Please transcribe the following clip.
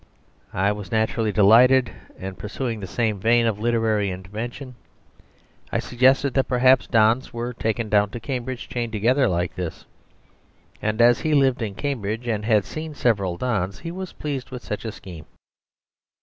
I was naturally delighted, and, pursuing the same vein of literary invention, I suggested that perhaps dons were taken down to Cambridge chained together like this. And as he lived in Cambridge, and had seen several dons, he was pleased with such a scheme.